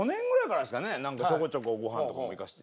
なんかちょこちょこご飯とかも行かせて。